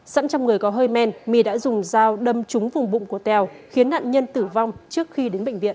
sẵn trong người có hơi men my đã dùng dao đâm trúng vùng bụng của tèo khiến nạn nhân tử vong trước khi đến bệnh viện